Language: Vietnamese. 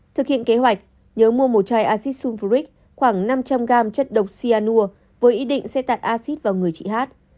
thực hiện kế hoạch nhớ mua một chai acid sulfuric khoảng năm trăm linh g chất độc cyanur với ý định sẽ tạt acid vào người chị hát